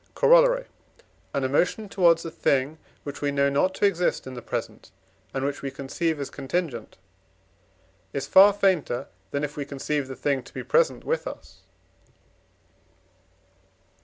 Corollary. An emotion towards a thing, which we know not to exist in the present, and which we conceive as contingent, is far fainter, than if we conceive the thing to be present with us.